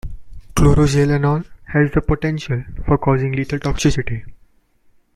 Chloroxylenol has the potential for causing lethal toxicity.